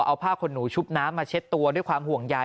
เอาผ้าขนหนูชุบน้ำมาเช็ดตัวด้วยความห่วงยาย